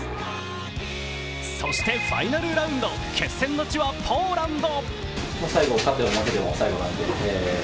そしてファイナルラウンド決戦の地はポーランド。